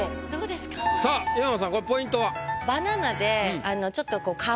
さあヨンアさんこれポイントは？